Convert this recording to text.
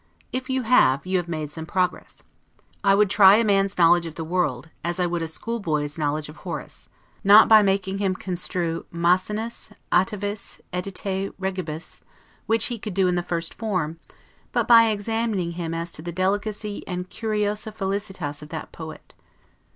If you have, you have made some progress. I would try a man's knowledge of the world, as I would a schoolboy's knowledge of Horace: not by making him construe 'Maecenas atavis edite regibus', which he could do in the first form; but by examining him as to the delicacy and 'curiosa felicitas' of that poet.